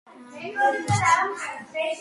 მაიორის ჩინით მსახურობდა იზმაილის პოლკში.